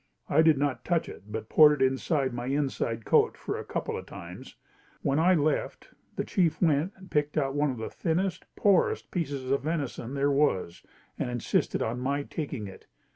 I did not touch it but poured it inside my inside coat for a couple of times. When I left the chief went and picked out one of the thinnest, poorest pieces of venison there was and insisted on my taking it.